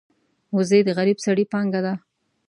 وزې د غریب سړي پانګه ده